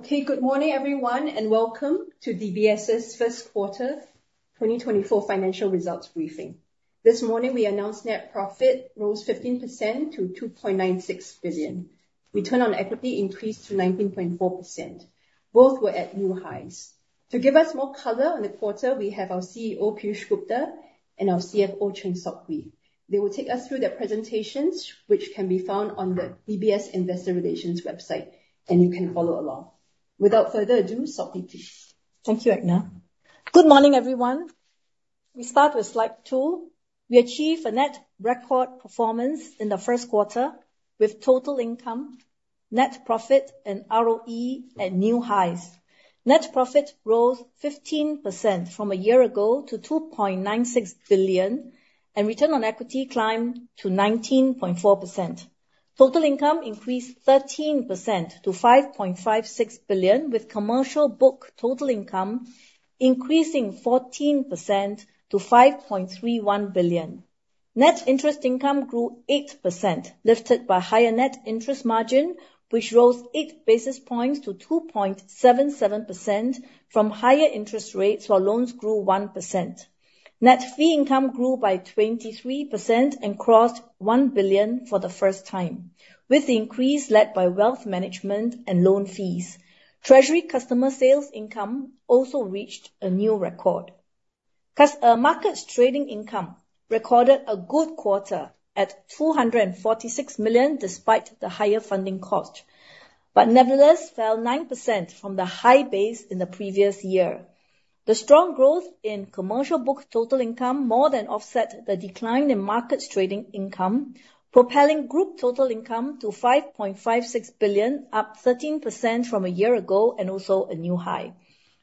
Okay, good morning, everyone, and welcome to DBS's First Quarter 2024 Financial Results briefing. This morning, we announced net profit rose 15% to 2.96 billion. Return on equity increased to 19.4%. Both were at new highs. To give us more color on the quarter, we have our CEO, Piyush Gupta, and our CFO, Chng Sok Hui. They will take us through their presentations, which can be found on the DBS Investor Relations website, and you can follow along. Without further ado, Sok Hui, please. Thank you, Edna. Good morning, everyone. We start with slide 2. We achieved a net record performance in the first quarter, with total income, net profit and ROE at new highs. Net profit rose 15% from a year ago to SGD 2.96 billion, and return on equity climbed to 19.4%. Total income increased 13% to 5.56 billion, with commercial book total income increasing 14% to 5.31 billion. Net interest income grew 8%, lifted by higher net interest margin, which rose eight basis points to 2.77% from higher interest rates, while loans grew 1%. Net fee income grew by 23% and crossed 1 billion for the first time, with the increase led by wealth management and loan fees. Treasury customer sales income also reached a new record. Markets trading income recorded a good quarter at 246 million, despite the higher funding cost, but nevertheless fell 9% from the high base in the previous year. The strong growth in commercial book total income more than offset the decline in markets trading income, propelling group total income to 5.56 billion, up 13% from a year ago, and also a new high.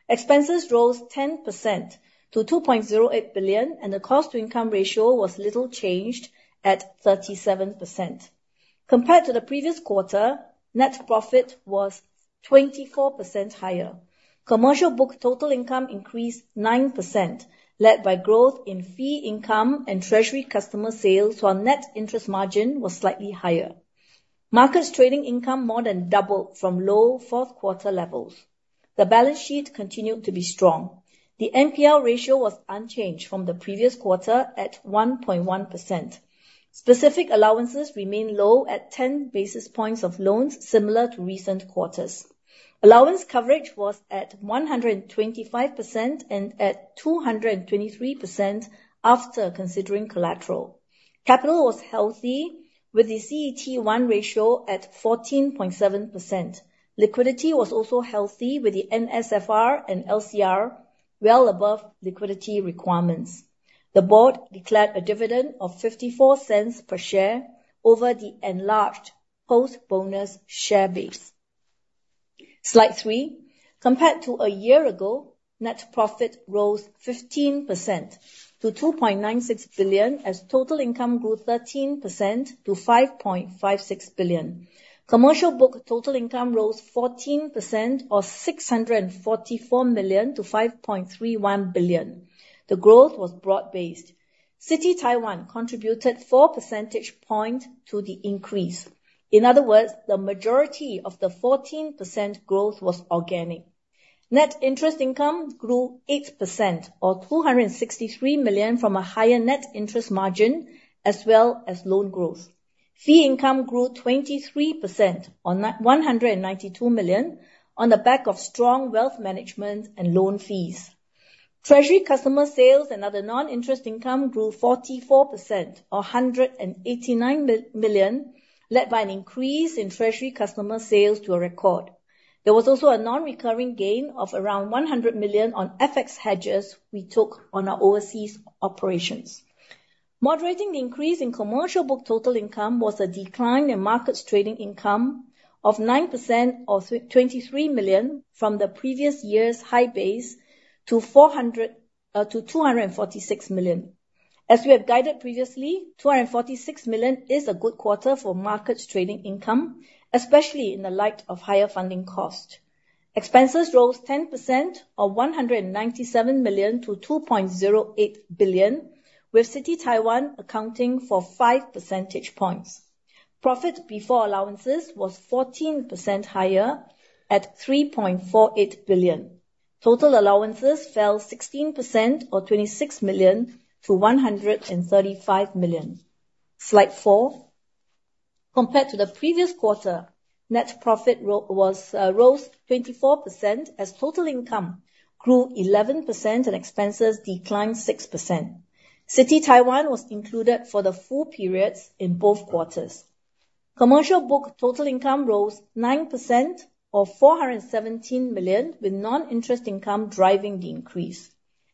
Expenses rose 10% to 2.08 billion, and the cost-to-income ratio was little changed at 37%. Compared to the previous quarter, net profit was 24% higher. Commercial book total income increased 9%, led by growth in fee income and treasury customer sales, while net interest margin was slightly higher. Markets trading income more than doubled from low fourth-quarter levels. The balance sheet continued to be strong. The NPL ratio was unchanged from the previous quarter at 1.1%. Specific allowances remain low at 10 basis points of loans, similar to recent quarters. Allowance coverage was at 125%, and at 223% after considering collateral. Capital was healthy, with the CET1 ratio at 14.7%. Liquidity was also healthy, with the NSFR and LCR well above liquidity requirements. The board declared a dividend of 0.54 per share over the enlarged post-bonus share base. Slide 3. Compared to a year ago, net profit rose 15% to 2.96 billion, as total income grew 13% to 5.56 billion. Commercial book total income rose 14% or 644 million to 5.31 billion. The growth was broad-based. Citi Taiwan contributed 4 percentage points to the increase. In other words, the majority of the 14% growth was organic. Net interest income grew 8% or 263 million from a higher net interest margin, as well as loan growth. Fee income grew 23%, on 192 million, on the back of strong wealth management and loan fees. Treasury customer sales and other non-interest income grew 44%, or 189 million, led by an increase in treasury customer sales to a record. There was also a non-recurring gain of around 100 million on FX hedges we took on our overseas operations. Moderating the increase in commercial book total income was a decline in markets trading income of 9% or 23 million from the previous year's high base to 246 million. As we have guided previously, 246 million is a good quarter for markets trading income, especially in the light of higher funding cost. Expenses rose 10% or 197 million to 2.08 billion, with Citi Taiwan accounting for 5 percentage points. Profit before allowances was 14% higher at 3.48 billion. Total allowances fell 16% or 26 million to 135 million. Slide 4. Compared to the previous quarter, net profit rose 24% as total income grew 11% and expenses declined 6%. Citi Taiwan was included for the full periods in both quarters. Commercial book total income rose 9% or 417 million, with non-interest income driving the increase.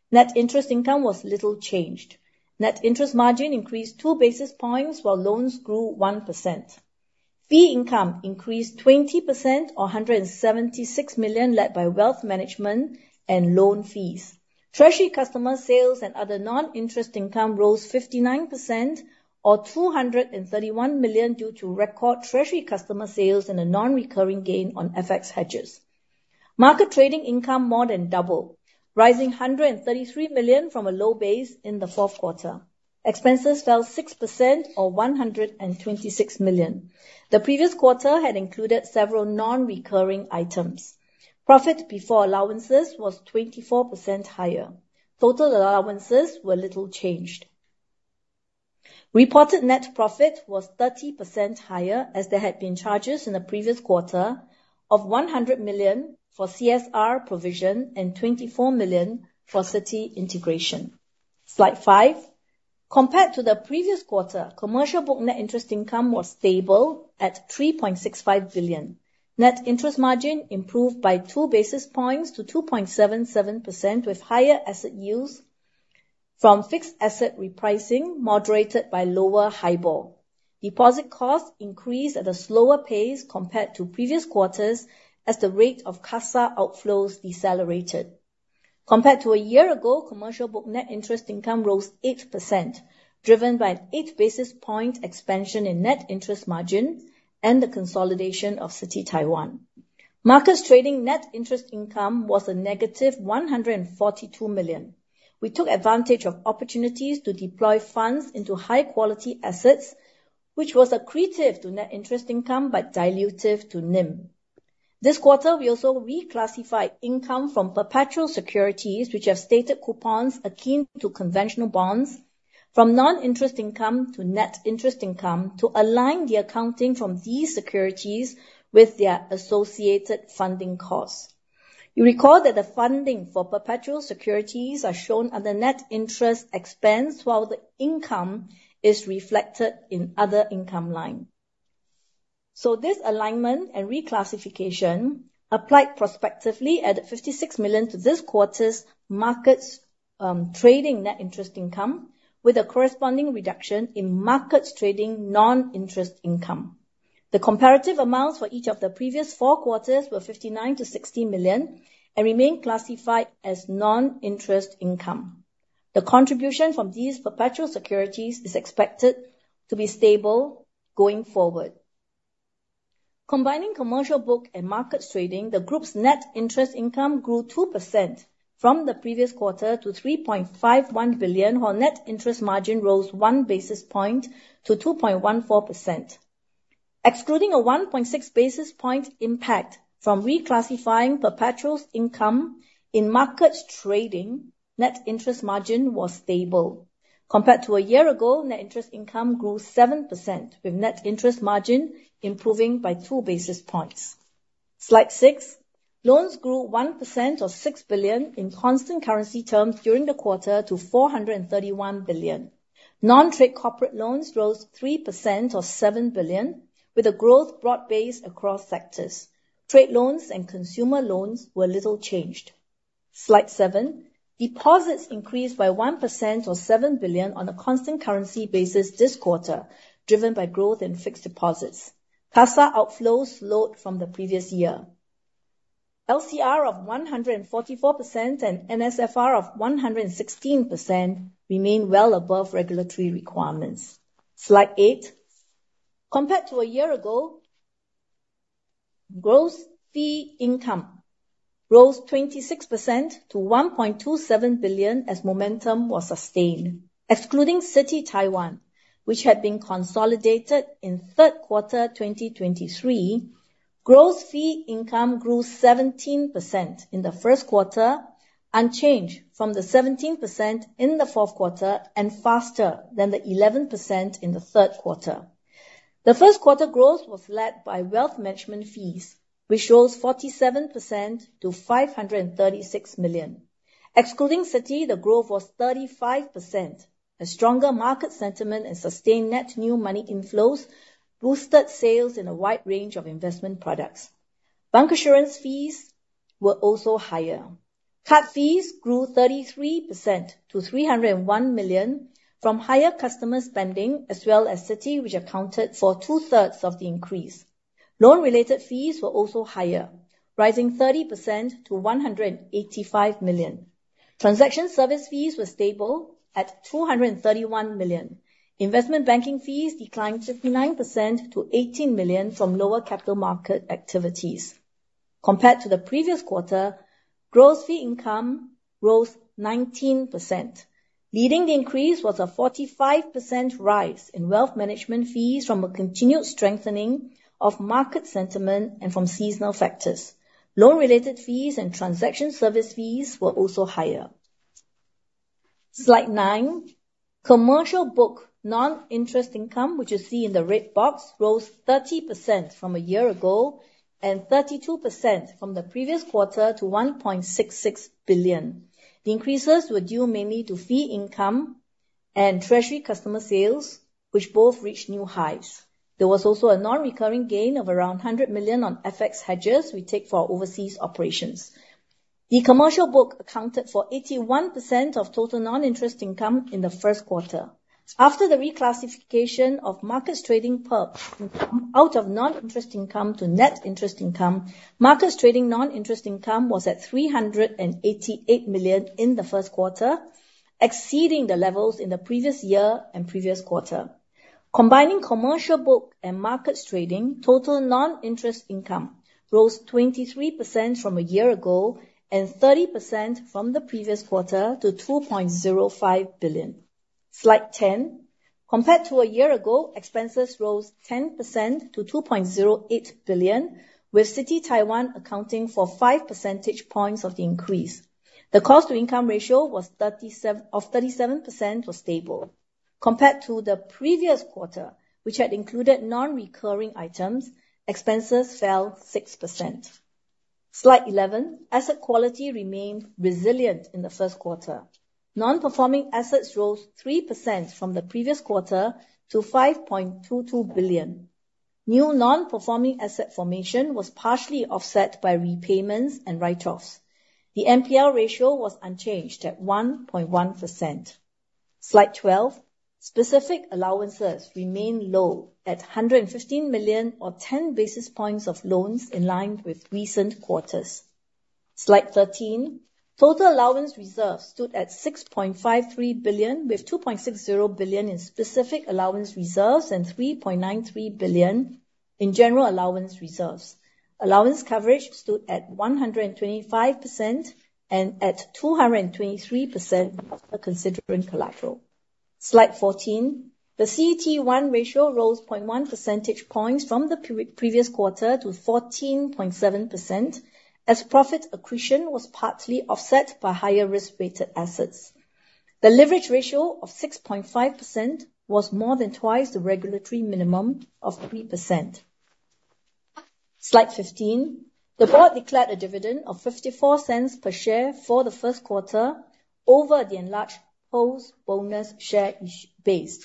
Net interest income was little changed. Net interest margin increased 2 basis points, while loans grew 1%. Fee income increased 20% or 176 million, led by wealth management and loan fees. Treasury customer sales and other non-interest income rose 59% or 231 million, due to record treasury customer sales and a non-recurring gain on FX hedges. Market trading income more than doubled, rising 133 million from a low base in the fourth quarter. Expenses fell 6% or 126 million. The previous quarter had included several non-recurring items. Profit before allowances was 24% higher. Total allowances were little changed. Reported net profit was 30% higher, as there had been charges in the previous quarter of 100 million for CSR provision and 24 million for Citi integration. Slide five. Compared to the previous quarter, commercial book net interest income was stable at 3.65 billion. Net interest margin improved by 2 basis points to 2.77%, with higher asset yields from fixed asset repricing, moderated by lower HIBOR. Deposit costs increased at a slower pace compared to previous quarters, as the rate of CASA outflows decelerated. Compared to a year ago, commercial book net interest income rose 8%, driven by an 8 basis point expansion in net interest margin and the consolidation of Citi Taiwan. Markets trading net interest income was -142 million. We took advantage of opportunities to deploy funds into high-quality assets, which was accretive to net interest income, but dilutive to NIM. This quarter, we also reclassified income from perpetual securities, which have stated coupons akin to conventional bonds, from non-interest income to net interest income to align the accounting from these securities with their associated funding costs. You recall that the funding for perpetual securities are shown under net interest expense, while the income is reflected in other income line. So this alignment and reclassification applied prospectively at 56 million to this quarter's markets, trading net interest income, with a corresponding reduction in markets trading non-interest income. The comparative amounts for each of the previous four quarters were 59 million-60 million and remain classified as non-interest income. The contribution from these perpetual securities is expected to be stable going forward. Combining commercial book and markets trading, the group's net interest income grew 2% from the previous quarter to 3.51 billion, while net interest margin rose 1 basis point to 2.14%. Excluding a 1.6 basis point impact from reclassifying perpetuals' income in markets trading, net interest margin was stable. Compared to a year ago, net interest income grew 7%, with net interest margin improving by 2 basis points. Slide 6. Loans grew 1% or 6 billion in constant currency terms during the quarter to 431 billion. Non-trade corporate loans rose 3% or 7 billion, with a growth broad base across sectors. Trade loans and consumer loans were little changed. Slide 7. Deposits increased by 1% or 7 billion on a constant currency basis this quarter, driven by growth in fixed deposits. CASA outflows slowed from the previous year. LCR of 144% and NSFR of 116% remain well above regulatory requirements. Slide 8. Compared to a year ago, gross fee income rose 26% to 1.27 billion, as momentum was sustained. Excluding Citi Taiwan, which had been consolidated in third quarter, 2023, gross fee income grew 17% in the first quarter, unchanged from the 17% in the fourth quarter, and faster than the 11% in the third quarter. The first quarter growth was led by wealth management fees, which rose 47% to 536 million. Excluding Citi, the growth was 35%. A stronger market sentiment and sustained net new money inflows boosted sales in a wide range of investment products. Bancassurance fees were also higher. Card fees grew 33% to 301 million from higher customer spending, as well as Citi, which accounted for two-thirds of the increase. Loan-related fees were also higher, rising 30% to SGD 185 million. Transaction service fees were stable at SGD 231 million. Investment banking fees declined 59% to SGD 18 million from lower capital market activities. Compared to the previous quarter, gross fee income rose 19%. Leading the increase was a 45% rise in wealth management fees from a continued strengthening of market sentiment and from seasonal factors. Loan-related fees and transaction service fees were also higher. Slide nine. Commercial book non-interest income, which you see in the red box, rose 30% from a year ago and 32% from the previous quarter to 1.66 billion. The increases were due mainly to fee income and treasury customer sales, which both reached new highs. There was also a non-recurring gain of around 100 million on FX hedges we take for our overseas operations. The commercial book accounted for 81% of total non-interest income in the first quarter. After the reclassification of markets trading perpetuals out of non-interest income to net interest income, markets trading non-interest income was at 388 million in the first quarter, exceeding the levels in the previous year and previous quarter. Combining commercial book and markets trading, total non-interest income rose 23% from a year ago and 30% from the previous quarter to 2.05 billion. Slide 10. Compared to a year ago, expenses rose 10% to 2.08 billion, with Citi Taiwan accounting for 5 percentage points of the increase. The cost to income ratio was 37%. Compared to the previous quarter, which had included non-recurring items, expenses fell 6%. Slide 11. Asset quality remained resilient in the first quarter. Non-performing assets rose 3% from the previous quarter to 5.22 billion. New non-performing asset formation was partially offset by repayments and write-offs. The NPL ratio was unchanged at 1.1%. Slide 12. Specific allowances remained low at 115 million, or ten basis points of loans, in line with recent quarters. Slide 13. Total allowance reserves stood at 6.53 billion, with 2.60 billion in specific allowance reserves and 3.93 billion in general allowance reserves. Allowance coverage stood at 125%, and at 223% after considering collateral. Slide 14. The CET1 ratio rose 0.1 percentage points from the pre-previous quarter to 14.7%, as profit accretion was partly offset by higher risk-weighted assets. The leverage ratio of 6.5% was more than twice the regulatory minimum of 3%. Slide 15. The board declared a dividend of 0.54 per share for the first quarter over the enlarged post-bonus shares base.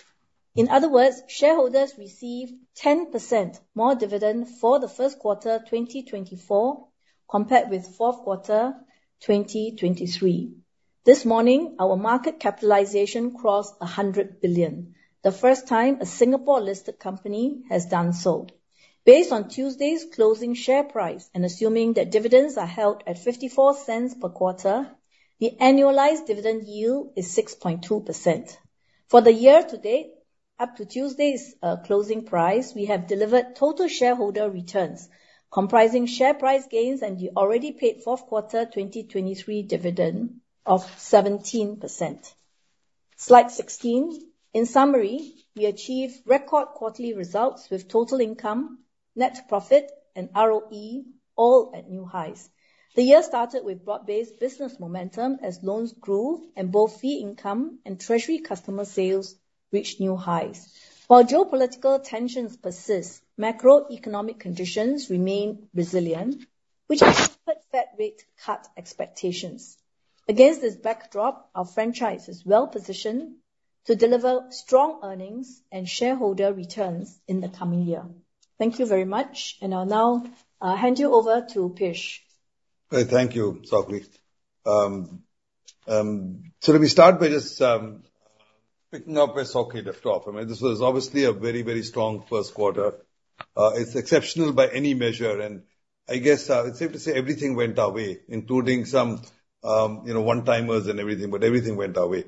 In other words, shareholders received 10% more dividend for the first quarter 2024, compared with fourth quarter 2023. This morning, our market capitalization crossed 100 billion, the first time a Singapore-listed company has done so. Based on Tuesday's closing share price, and assuming that dividends are held at 0.54 per quarter, the annualized dividend yield is 6.2%. For the year to date, up to Tuesday's closing price, we have delivered total shareholder returns, comprising share price gains, and the already paid fourth quarter 2023 dividend of 17%. Slide 16. In summary, we achieved record quarterly results with total income, net profit, and ROE, all at new highs. The year started with broad-based business momentum as loans grew and both fee income and treasury customer sales reached new highs. While geopolitical tensions persist, macroeconomic conditions remain resilient, which has put Fed rate cut expectations. Against this backdrop, our franchise is well positioned to deliver strong earnings and shareholder returns in the coming year. Thank you very much, and I'll now hand you over to Piyush. Thank you, Sok Hui. So let me start by just picking up where Sok Hui left off. I mean, this was obviously a very, very strong first quarter. It's exceptional by any measure, and I guess it's safe to say everything went our way, including some, you know, one-timers and everything, but everything went our way.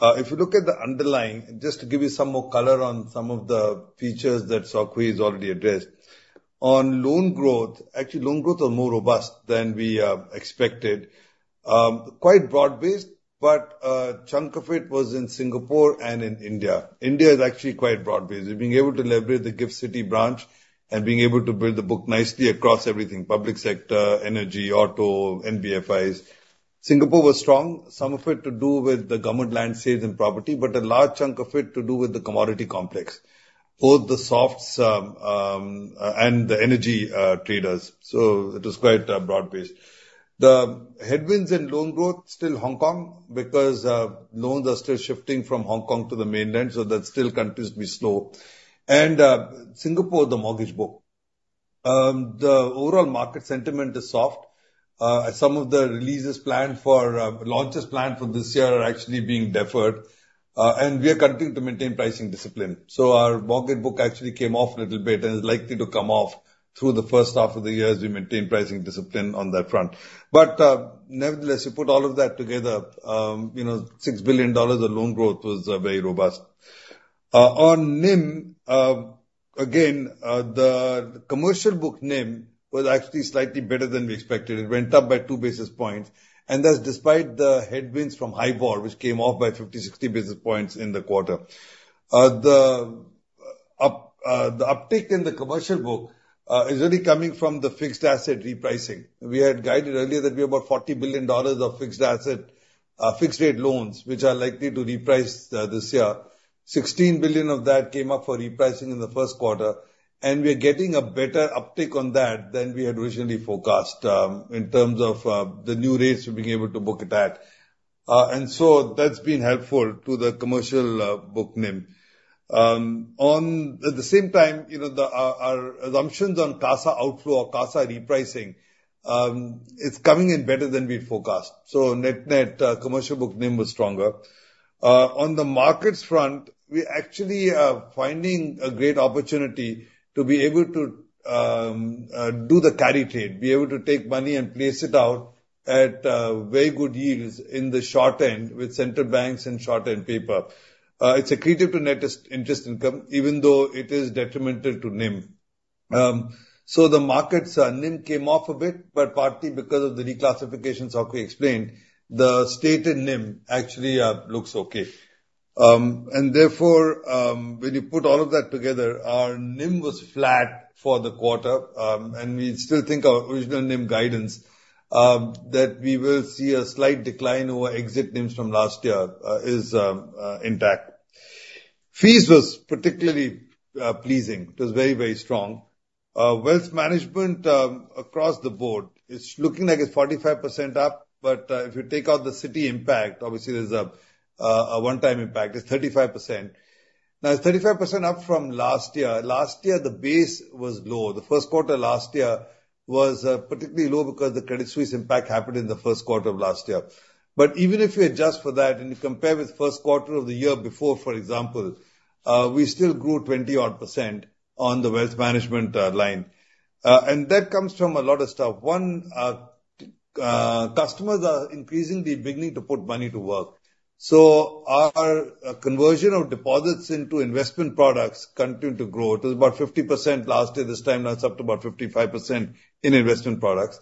If you look at the underlying, just to give you some more color on some of the features that Sok Hui has already addressed. On loan growth, actually, loan growth are more robust than we expected. Quite broad-based, but a chunk of it was in Singapore and in India. India is actually quite broad-based. We're being able to leverage the GIFT City branch and being able to build the book nicely across everything: public sector, energy, auto, NBFIs. Singapore was strong, some of it to do with the government land sales and property, but a large chunk of it to do with the commodity complex, both the softs, and the energy, traders, so it was quite, broad-based. The headwinds in loan growth, still Hong Kong, because, loans are still shifting from Hong Kong to the mainland, so that still continues to be slow. And, Singapore, the mortgage book. The overall market sentiment is soft. Some of the releases planned for, launches planned for this year are actually being deferred, and we are continuing to maintain pricing discipline. So our mortgage book actually came off a little bit and is likely to come off through the first half of the year as we maintain pricing discipline on that front. But, nevertheless, you put all of that together, you know, $6 billion of loan growth was very robust. On NIM, again, the commercial book NIM was actually slightly better than we expected. It went up by 2 basis points, and that's despite the headwinds from HIBOR, which came off by 50-60 basis points in the quarter. The uptick in the commercial book is really coming from the fixed asset repricing. We had guided earlier that we have about $40 billion of fixed asset, fixed rate loans, which are likely to reprice this year. $16 billion of that came up for repricing in the first quarter, and we are getting a better uptick on that than we had originally forecast, in terms of the new rates we're being able to book it at. And so that's been helpful to the commercial book NIM. At the same time, you know, our assumptions on CASA outflow or CASA repricing, it's coming in better than we forecast, so net-net, commercial book NIM was stronger. On the markets front, we actually are finding a great opportunity to be able to do the carry trade, be able to take money and place it out at very good yields in the short end with central banks and short-end paper. It's accretive to net interest income, even though it is detrimental to NIM. So the markets NIM came off a bit, but partly because of the reclassifications how we explained, the stated NIM actually looks okay. Therefore, when you put all of that together, our NIM was flat for the quarter. We still think our original NIM guidance, that we will see a slight decline over exit NIMs from last year, is intact. Fees was particularly pleasing. It was very, very strong. Wealth management across the board is looking like it's 45% up, but if you take out the Citi impact, obviously there's a one-time impact, it's 35%. Now, it's 35% up from last year. Last year, the base was low. The first quarter last year was particularly low because the Credit Suisse impact happened in the first quarter of last year. But even if you adjust for that, and you compare with first quarter of the year before, for example, we still grew 20-odd% on the wealth management line. And that comes from a lot of stuff. One, customers are increasingly beginning to put money to work. So our conversion of deposits into investment products continue to grow. It was about 50% last year, this time now it's up to about 55% in investment products.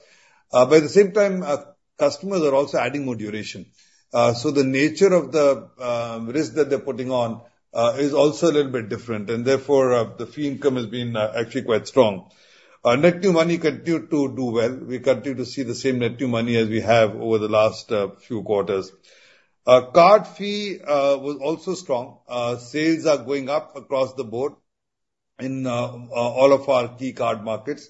But at the same time, our customers are also adding more duration. So the nature of the risk that they're putting on is also a little bit different, and therefore, the fee income has been actually quite strong. Our net new money continue to do well. We continue to see the same net new money as we have over the last few quarters. Our card fee was also strong. Sales are going up across the board in all of our key card markets.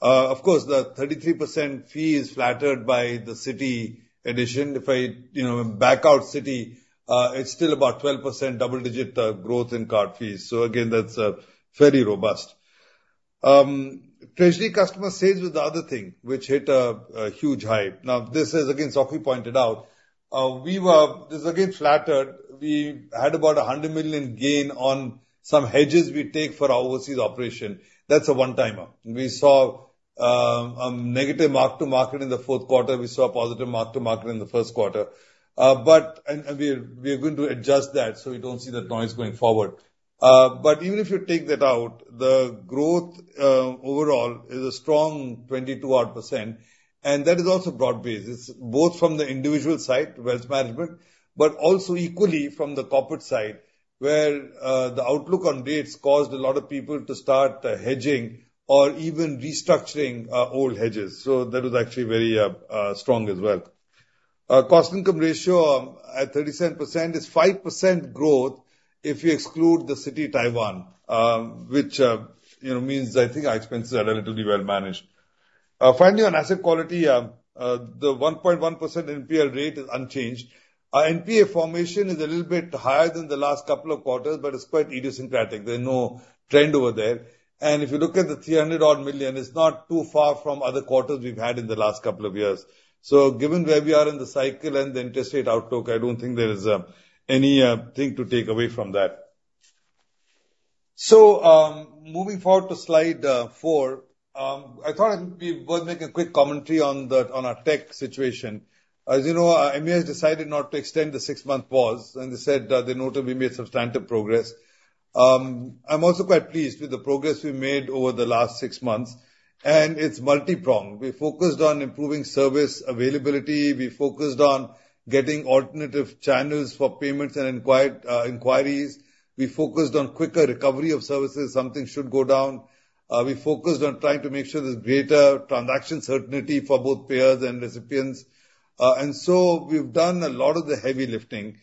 Of course, the 33% fee is flattered by the Citi addition. If I, you know, back out Citi, it's still about 12% double-digit growth in card fees. So again, that's fairly robust. Treasury customer sales was the other thing which hit a huge high. Now, this is, again, Sok Hui pointed out, we were-- this is again, flattered. We had about a 100 million gain on some hedges we take for our overseas operation. That's a one-timer. We saw negative mark-to-market in the fourth quarter. We saw a positive mark-to-market in the first quarter. But we're going to adjust that so we don't see that noise going forward. But even if you take that out, the growth overall is a strong 22 odd percent, and that is also broad-based. It's both from the individual side, wealth management, but also equally from the corporate side, where the outlook on rates caused a lot of people to start hedging or even restructuring old hedges. So that was actually very strong as well. Our cost income ratio at 37% is 5% growth if you exclude the Citi Taiwan, which you know means I think our expenses are relatively well managed. Finally, on asset quality, the 1.1% NPL rate is unchanged. Our NPA formation is a little bit higher than the last couple of quarters, but it's quite idiosyncratic. There's no trend over there. And if you look at the 300-odd million, it's not too far from other quarters we've had in the last couple of years. So given where we are in the cycle and the interest rate outlook, I don't think there is anything to take away from that. So, moving forward to slide 4, I thought we would make a quick commentary on our tech situation. As you know, MA has decided not to extend the six-month pause, and they said they noted we made substantial progress. I'm also quite pleased with the progress we've made over the last six months, and it's multipronged. We focused on improving service availability, we focused on getting alternative channels for payments and inquiries. We focused on quicker recovery of services, some things should go down. We focused on trying to make sure there's greater transaction certainty for both payers and recipients. And so we've done a lot of the heavy lifting.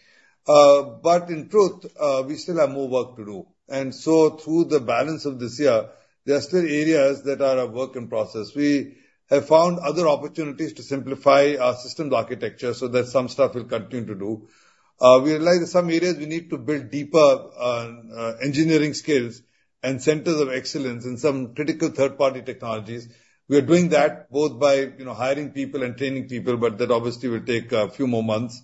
But in truth, we still have more work to do. And so through the balance of this year, there are still areas that are a work in process. We have found other opportunities to simplify our systems architecture so that some stuff we'll continue to do. We realize that some areas we need to build deeper engineering skills and centers of excellence in some critical third-party technologies. We are doing that both by, you know, hiring people and training people, but that obviously will take a few more months.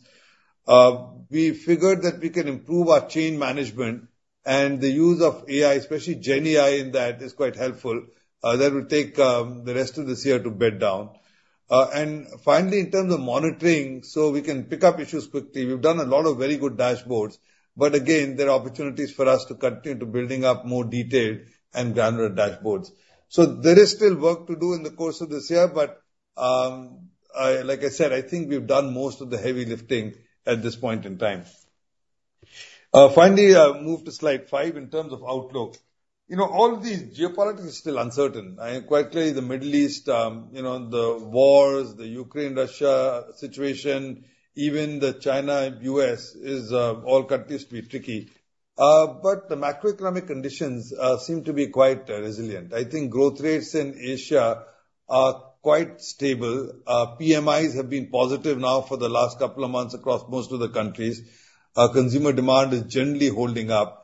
We figured that we can improve our change management and the use of AI, especially GenAI in that, is quite helpful. That will take, the rest of this year to bed down. And finally, in terms of monitoring, so we can pick up issues quickly. We've done a lot of very good dashboards, but again, there are opportunities for us to continue to building up more detailed and granular dashboards. So there is still work to do in the course of this year, but, like I said, I think we've done most of the heavy lifting at this point in time. Finally, move to slide five in terms of outlook. You know, all of these geopolitics is still uncertain. Quite clearly, the Middle East, you know, the wars, the Ukraine, Russia situation, even the China, US, is all continues to be tricky. But the macroeconomic conditions seem to be quite resilient. I think growth rates in Asia are quite stable. PMIs have been positive now for the last couple of months across most of the countries. Consumer demand is generally holding up.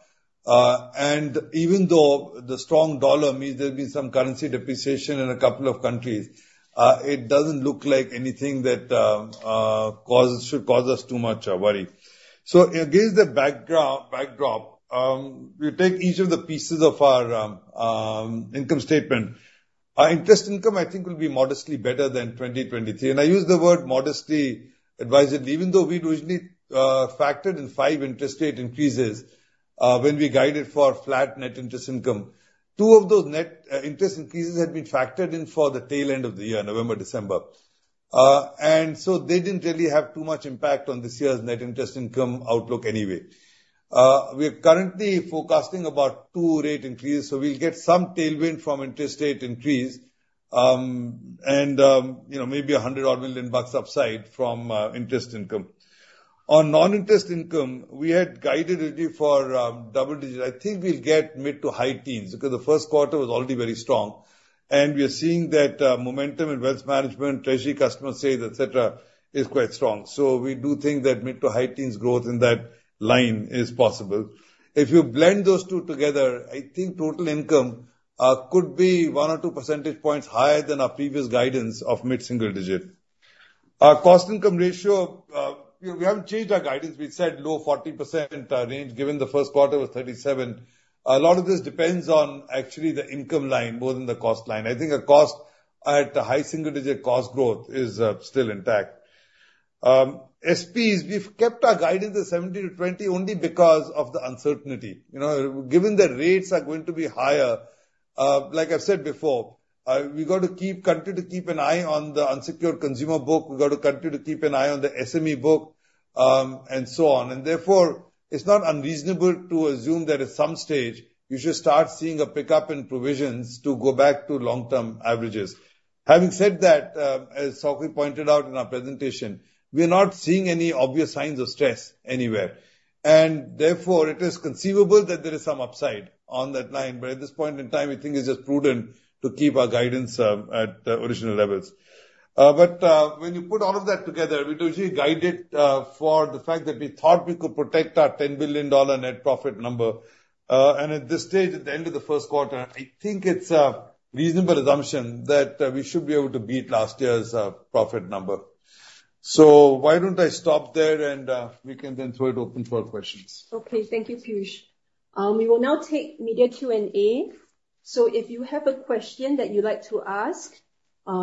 And even though the strong dollar means there'll be some currency depreciation in a couple of countries, it doesn't look like anything that causes-- should cause us too much worry. So against the backdrop, you take each of the pieces of our income statement. Our interest income, I think, will be modestly better than 2023, and I use the word modestly advisedly, even though we'd originally factored in five interest rate increases when we guided for flat net interest income. Two of those net interest increases had been factored in for the tail end of the year, November, December. So they didn't really have too much impact on this year's net interest income outlook anyway. We are currently forecasting about two rate increases, so we'll get some tailwind from interest rate increases. You know, maybe 100-odd million bucks upside from interest income. On non-interest income, we had guided already for double digits. I think we'll get mid- to high-teens because the first quarter was already very strong, and we are seeing that momentum in wealth management, treasury customer sales, et cetera, is quite strong. So we do think that mid- to high-teens growth in that line is possible. If you blend those two together, I think total income could be 1 or 2 percentage points higher than our previous guidance of mid-single-digit. Our cost to income ratio, we haven't changed our guidance. We've said low 40% range, given the first quarter was 37. A lot of this depends on actually the income line more than the cost line. I think our cost at the high single-digit cost growth is still intact. SPs, we've kept our guidance at 70-20 only because of the uncertainty. You know, given the rates are going to be higher, like I said before, we've got to continue to keep an eye on the unsecured consumer book, we've got to continue to keep an eye on the SME book, and so on. And therefore, it's not unreasonable to assume that at some stage you should start seeing a pickup in provisions to go back to long-term averages. Having said that, as Sok Hui pointed out in our presentation, we are not seeing any obvious signs of stress anywhere, and therefore it is conceivable that there is some upside on that line. But at this point in time, we think it's just prudent to keep our guidance at original levels. When you put all of that together, we usually guide it for the fact that we thought we could protect our $10 billion net profit number. At this stage, at the end of the first quarter, I think it's a reasonable assumption that we should be able to beat last year's profit number. Why don't I stop there and we can then throw it open for questions? Okay, thank you, Piyush. We will now take media Q&A. So if you have a question that you'd like to ask,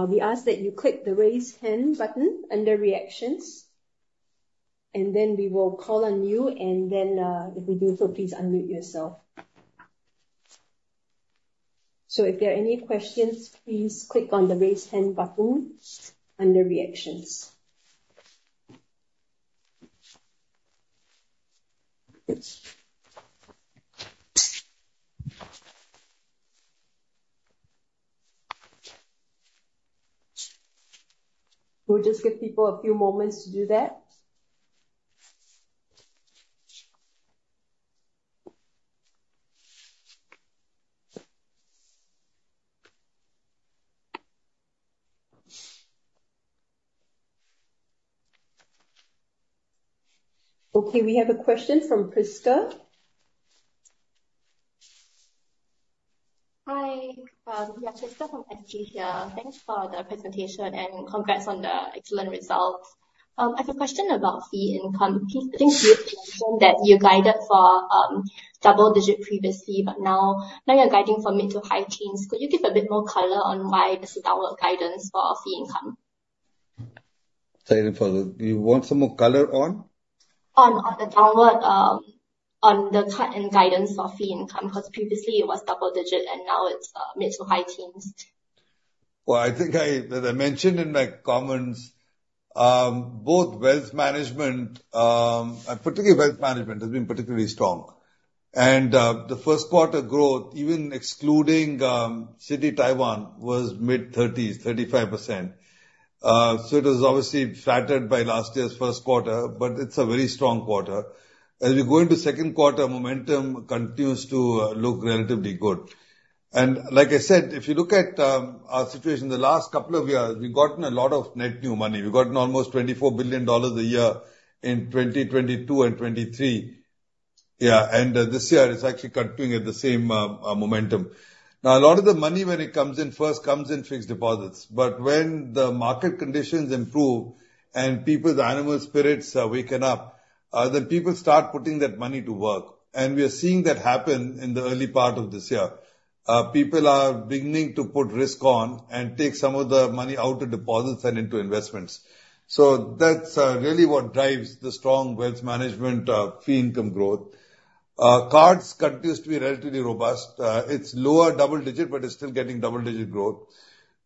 we ask that you click the Raise Hand button under Reactions, and then we will call on you, and then, if you do so, please unmute yourself. So if there are any questions, please click on the Raise Hand button under Reactions. We'll just give people a few moments to do that. Okay, we have a question from Prisca. Hi, Prisca from SG here. Thanks for the presentation and congrats on the excellent results. I have a question about fee income. I think you mentioned that you guided for double digits previously, but now you're guiding for mid to high teens. Could you give a bit more color on why this is downward guidance for fee income? Sorry for that. You want some more color on? On the downward cut in guidance for fee income, because previously it was double-digit, and now it's mid- to high-teens. Well, I think that I mentioned in my comments, both wealth management and particularly wealth management has been particularly strong. And the first quarter growth, even excluding Citi Taiwan, was mid-thirties, 35%. So it is obviously flattered by last year's first quarter, but it's a very strong quarter. As we go into second quarter, momentum continues to look relatively good. And like I said, if you look at our situation the last couple of years, we've gotten a lot of net new money. We've gotten almost $24 billion a year in 2022 and 2023. Yeah, and this year it's actually continuing at the same momentum. Now, a lot of the money, when it comes in first, comes in fixed deposits, but when the market conditions improve and people's animal spirits waken up, then people start putting that money to work. We are seeing that happen in the early part of this year. People are beginning to put risk on and take some of the money out of deposits and into investments. So that's really what drives the strong wealth management fee income growth. Cards continues to be relatively robust. It's lower double digit, but it's still getting double-digit growth.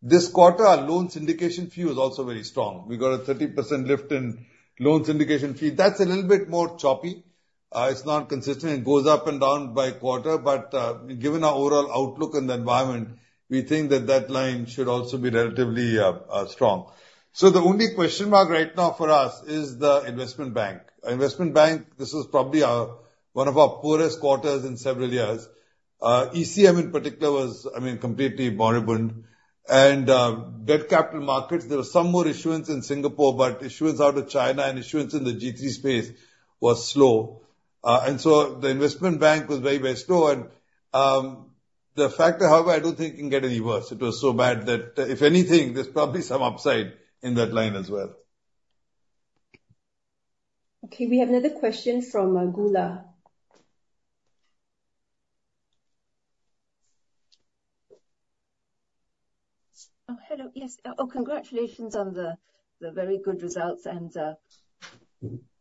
This quarter, our loan syndication fee was also very strong. We got a 30% lift in loan syndication fee. That's a little bit more choppy, it's not consistent. It goes up and down by quarter, but, given our overall outlook and the environment, we think that that line should also be relatively, strong. So the only question mark right now for us is the investment bank. Investment bank, this is probably our... one of our poorest quarters in several years. ECM in particular was, I mean, completely moribund. And, debt capital markets, there was some more issuance in Singapore, but issuance out of China and issuance in the G3 space was slow. And so the investment bank was very, very slow. And, the factor, however, I don't think can get any worse. It was so bad that, if anything, there's probably some upside in that line as well. Okay, we have another question from Goola. Oh, hello, yes. Oh, congratulations on the, the very good results and,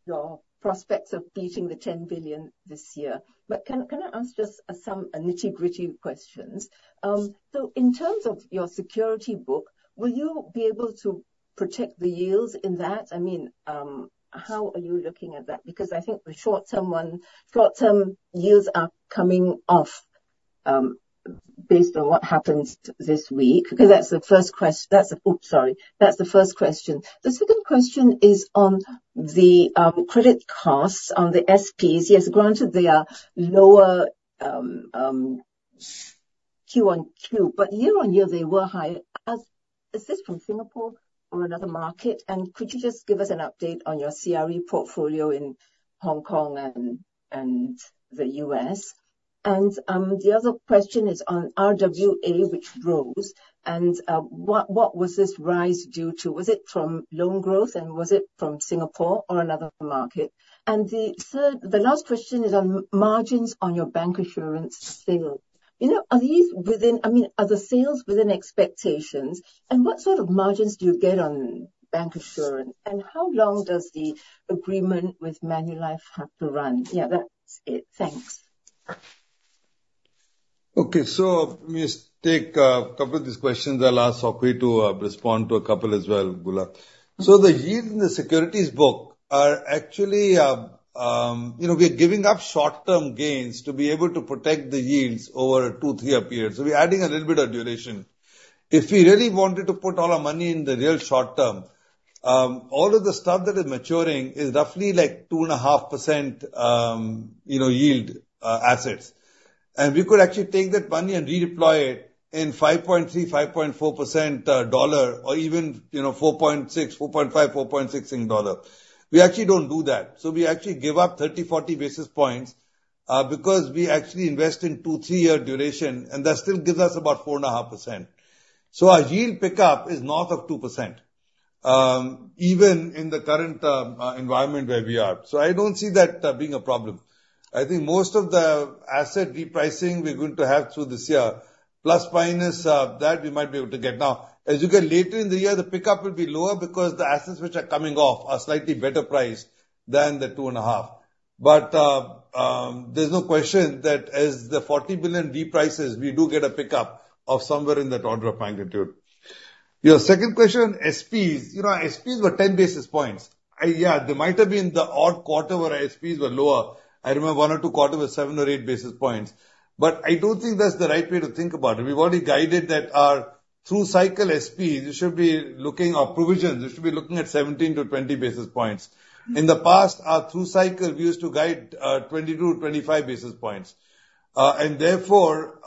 your prospects of beating the 10 billion this year. But can, can I ask just, some, nitty-gritty questions? So in terms of your security book, will you be able to protect the yields in that? I mean, how are you looking at that? Because I think the short-term one, short-term yields are coming off, based on what happens this week. Because that's the first question. The second question is on the, credit costs on the SPs. Yes, granted they are lower, Q1Q, but year on year, they were high. Is this from Singapore or another market? Could you just give us an update on your CRE portfolio in Hong Kong and the U.S.? And the other question is on RWA, which rose, and what was this rise due to? Was it from loan growth, and was it from Singapore or another market? And the last question is on margins on your bancassurance sales. You know, are these within—I mean, are the sales within expectations, and what sort of margins do you get on bank assurance? And how long does the agreement with Manulife have to run? Yeah, that's it. Thanks. Okay, so let me take a couple of these questions. I'll ask Sok Hwee to respond to a couple as well, Goola. So the yield in the securities book are actually. You know, we are giving up short-term gains to be able to protect the yields over a two, three-year period, so we're adding a little bit of duration. If we really wanted to put all our money in the real short term, all of the stuff that is maturing is roughly, like, 2.5%, you know, yield, assets. And we could actually take that money and redeploy it in 5.3%-5.4%, dollar, or even, you know, 4.6, 4.5, 4.6 in dollar. We actually don't do that. So we actually give up 30-40 basis points, because we actually invest in 2-3-year duration, and that still gives us about 4.5%. So our yield pickup is north of 2%, even in the current, environment where we are. So I don't see that, being a problem. I think most of the asset repricing we're going to have through this year, plus, minus, that, we might be able to get. Now, as you get later in the year, the pickup will be lower because the assets which are coming off are slightly better priced than the 2.5. But, there's no question that as the 40 billion reprices, we do get a pickup of somewhere in that order of magnitude. Your second question on SPs. You know, SPs were 10 basis points. Yeah, they might have been the odd quarter where SPs were lower. I remember one or two quarters were 7 or 8 basis points. But I don't think that's the right way to think about it. We've already guided that our through cycle SP, you should be looking—our provisions, you should be looking at 17-20 basis points. In the past, our through cycle, we used to guide, 22-25 basis points. And therefore,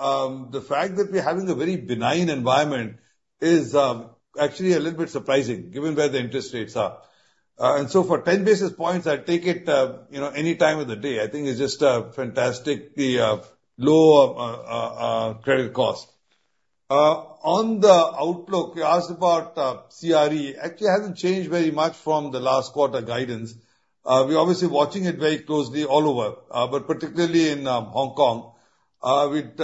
the fact that we're having a very benign environment is, actually a little bit surprising, given where the interest rates are. And so for 10 basis points, I'd take it, you know, any time of the day. I think it's just, fantastic, the credit cost. On the outlook, you asked about, CRE. Actually, it hasn't changed very much from the last quarter guidance. We're obviously watching it very closely all over, but particularly in Hong Kong. We'd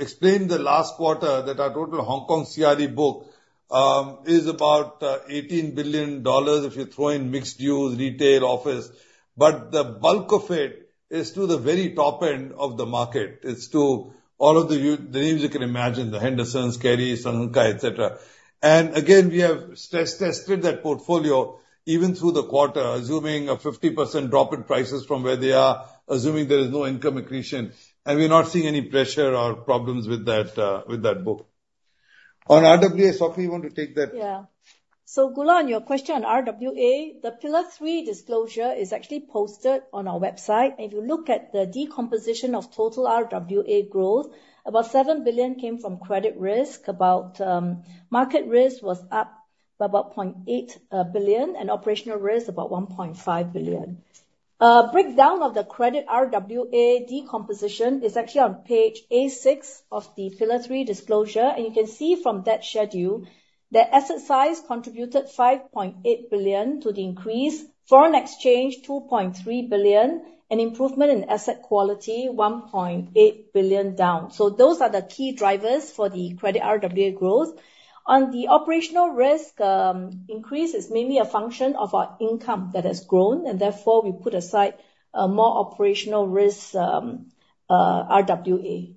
explained the last quarter that our total Hong Kong CRE book is about $18 billion if you throw in mixed use, retail, office, but the bulk of it is to the very top end of the market. It's to all of the names you can imagine, the Hendersons, Kerrys, Sun Hung Kai, et cetera. And again, we have stress tested that portfolio even through the quarter, assuming a 50% drop in prices from where they are, assuming there is no income accretion, and we're not seeing any pressure or problems with that book. On RWA, Sok Hui, you want to take that? Yeah. So Goola, on your question on RWA, the Pillar 3 disclosure is actually posted on our website. If you look at the decomposition of total RWA growth, about 7 billion came from credit risk, about, market risk was up by about 0.8 billion, and operational risk, about 1.5 billion. Breakdown of the credit RWA decomposition is actually on page A6 of the Pillar 3 disclosure, and you can see from that schedule that asset size contributed 5.8 billion to the increase, foreign exchange, 2.3 billion, and improvement in asset quality, 1.8 billion down. So those are the key drivers for the credit RWA growth. On the operational risk, increase is mainly a function of our income that has grown, and therefore, we put aside, more operational risk, RWA.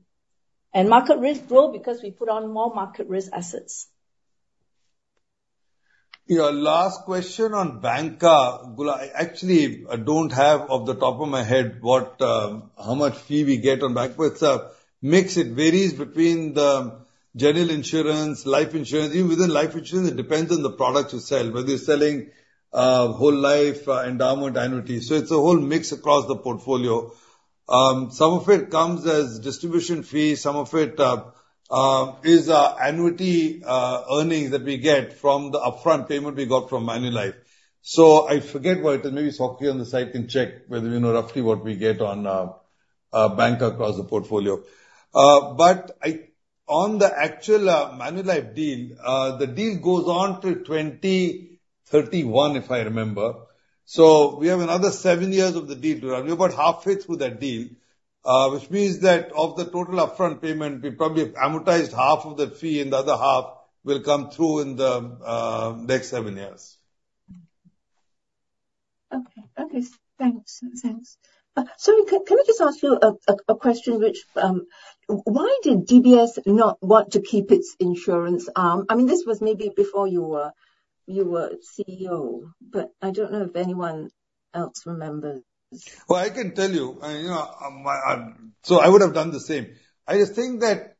Market risk grow because we put on more market risk assets. Your last question on banca, Goola, I actually, I don't have off the top of my head what, how much fee we get on banca, but it's a mix. It varies between the general insurance, life insurance. Even within life insurance, it depends on the product you sell, whether you're selling, whole life, endowment, annuity. So it's a whole mix across the portfolio. Some of it comes as distribution fees, some of it is annuity earnings that we get from the upfront payment we got from Manulife. So I forget what, maybe Sok Hui on the side can check whether we know roughly what we get on, banca across the portfolio. But I on the actual Manulife deal, the deal goes on till 2031, if I remember. So we have another seven years of the deal to run. We're about halfway through that deal, which means that of the total upfront payment, we probably have amortized half of the fee, and the other half will come through in the next seven years. Okay. Okay, thanks. Thanks. Sorry, can I just ask you a question, which, why did DBS not want to keep its insurance arm? I mean, this was maybe before you were, you were CEO, but I don't know if anyone else remembers. Well, I can tell you, you know. So I would have done the same. I just think that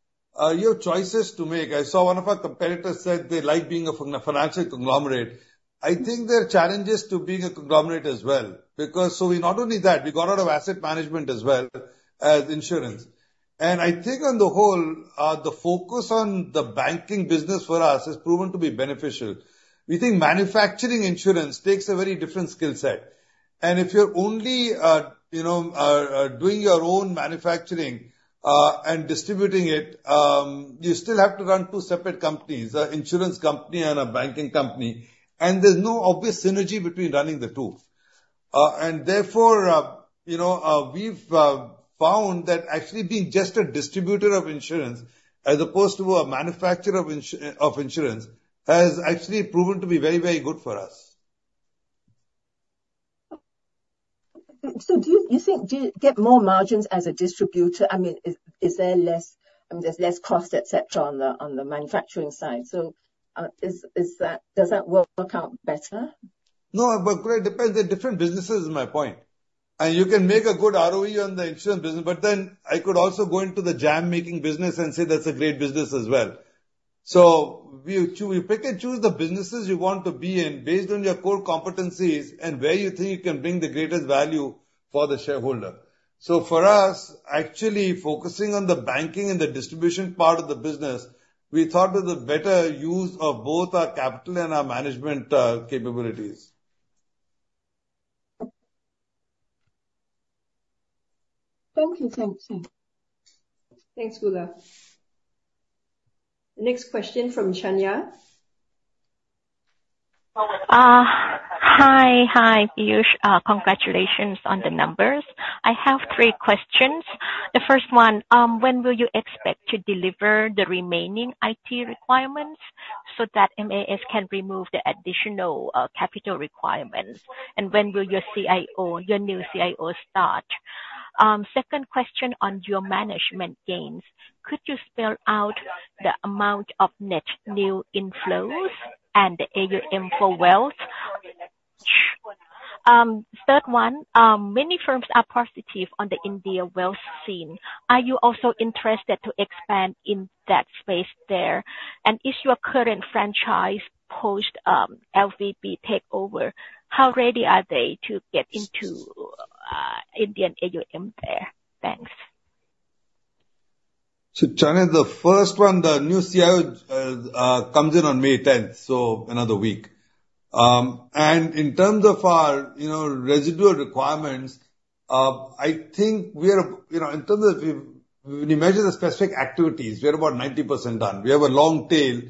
you have choices to make. I saw one of our competitors said they like being a financial conglomerate. I think there are challenges to being a conglomerate as well, because so we not only that, we got out of asset management as well as insurance. And I think on the whole, the focus on the banking business for us has proven to be beneficial. We think manufacturing insurance takes a very different skill set, and if you're only, you know, doing your own manufacturing, and distributing it, you still have to run two separate companies, an insurance company and a banking company, and there's no obvious synergy between running the two. And therefore, you know, we've found that actually being just a distributor of insurance as opposed to a manufacturer of insurance has actually proven to be very, very good for us. So, do you think you get more margins as a distributor? I mean, is there less, I mean, there's less cost, et cetera, on the manufacturing side. So, is that, does that work out better? No, but it depends. They're different businesses is my point. And you can make a good ROE on the insurance business, but then I could also go into the jam-making business and say that's a great business as well. So we pick and choose the businesses you want to be in based on your core competencies and where you think you can bring the greatest value for the shareholder. So for us, actually focusing on the banking and the distribution part of the business, we thought was a better use of both our capital and our management capabilities. Thank you. Thank you. Thanks, Goola. The next question from Chanya. Hi. Hi, Piyush. Congratulations on the numbers. I have three questions. The first one, when will you expect to deliver the remaining IT requirements so that MAS can remove the additional capital requirements? And when will your CIO, your new CIO, start? Second question on your management gains, could you spell out the amount of net new inflows and the AUM for wealth? Third one, many firms are positive on the India wealth scene. Are you also interested to expand in that space there? And is your current franchise post LVB takeover, how ready are they to get into Indian AUM there? Thanks. So, Chanya, the first one, the new CIO comes in on May tenth, so another week. In terms of our, you know, residual requirements, I think we are, you know, in terms of we, when you measure the specific activities, we are about 90% done. We have a long tail,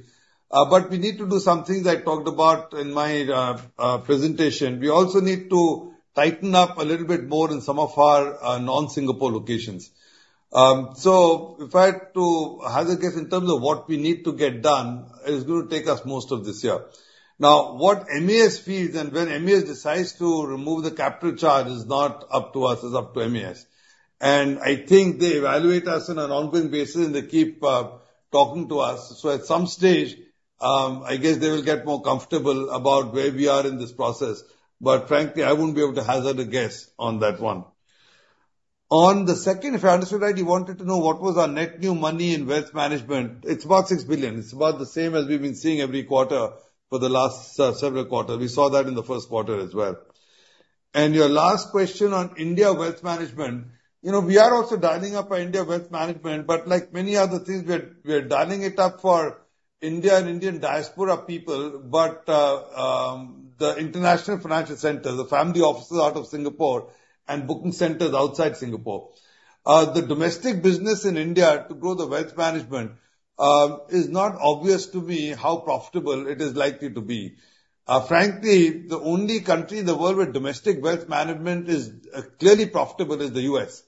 but we need to do some things I talked about in my presentation. We also need to tighten up a little bit more in some of our non-Singapore locations. So if I had to hazard a guess in terms of what we need to get done, it's going to take us most of this year. Now, what MAS feels and when MAS decides to remove the capital charge is not up to us, it's up to MAS. I think they evaluate us on an ongoing basis, and they keep talking to us. So at some stage, I guess they will get more comfortable about where we are in this process. But frankly, I wouldn't be able to hazard a guess on that one. On the second, if I understood right, you wanted to know what was our net new money in wealth management. It's about 6 billion. It's about the same as we've been seeing every quarter for the last several quarters. We saw that in the first quarter as well. Your last question on India wealth management, you know, we are also dialing up our India wealth management, but like many other things, we're, we're dialing it up for India and Indian diaspora people, but the international financial centers, the family offices out of Singapore and booking centers outside Singapore. The domestic business in India to grow the wealth management is not obvious to me how profitable it is likely to be. Frankly, the only country in the world where domestic wealth management is clearly profitable is the U.S.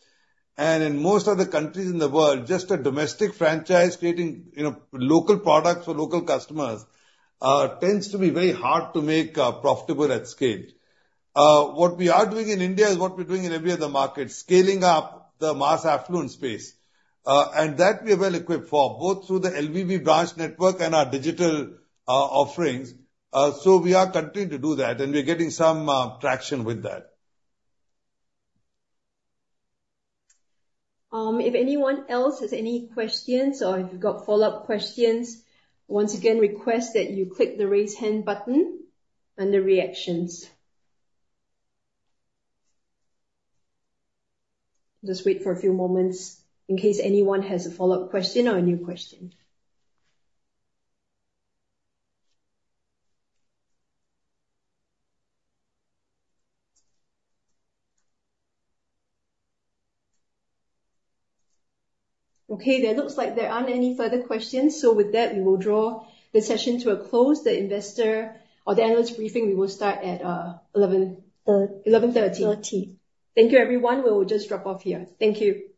And in most other countries in the world, just a domestic franchise creating, you know, local products for local customers tends to be very hard to make profitable at scale. What we are doing in India is what we're doing in every other market, scaling up the mass affluent space. That we are well equipped for, both through the LBB branch network and our digital offerings. We are continuing to do that, and we're getting some traction with that. If anyone else has any questions or if you've got follow-up questions, once again, request that you click the Raise Hand button under Reactions. Just wait for a few moments in case anyone has a follow-up question or a new question. Okay, there looks like there aren't any further questions. So with that, we will draw the session to a close. The investor or the analyst briefing, we will start at 11:30. Thank you, everyone. We will just drop off here. Thank you.